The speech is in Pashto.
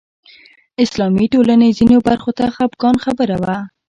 اسلامي ټولنې ځینو برخو ته خپګان خبره وه